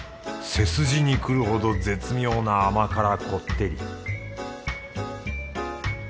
背筋にくるほど絶妙な甘辛こってり